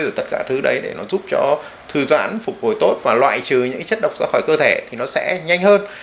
ở tất cả thứ đấy để nó giúp cho thư giãn phục hồi tốt và loại trừ những chất độc ra khỏi cơ thể thì nó sẽ nhanh hơn